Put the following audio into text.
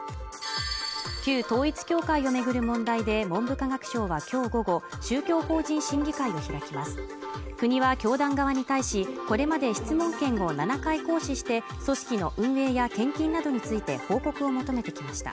旧統一教会をめぐる問題で文部科学省はきょう午後宗教法人審議会を開きます国は教団側に対しこれまで質問権を７回行使して組織の運営や献金などについて報告を求めてきました